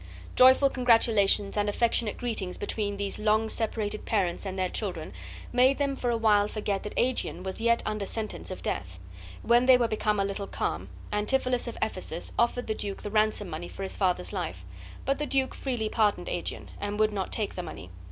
Joyful congratulations and affectionate greetings between these long separated parents and their children made them for a while forget that Aegeon was yet under sentence of death. When they were become a little calm, Antipholus of Ephesus offered the duke the ransom money for his father's life; but the duke freely pardoned Aegeon, and would not take the money.